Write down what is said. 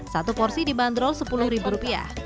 satu porsi dibanderol sepuluh rupiah